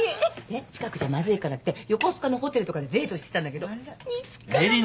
で近くじゃまずいからって横須賀のホテルとかでデートしてたんだけど見つかっちゃって。